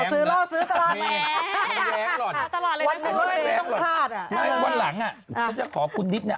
ผมจะขอคุณดิชน์เนี่ย